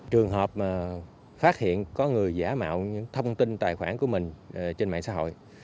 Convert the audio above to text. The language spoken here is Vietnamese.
trường hợp phát hiện có người giả mạo những thông tin tài khoản của mình trên mạng xã hội